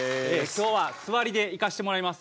今日は座りでいかしてもらいます。